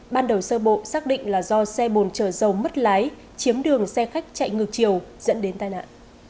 ban đầu sơ bộ xác định là do xe bồn chở dầu mất lái chiếm đường xe khách chạy ngược chiều dẫn đến tai nạn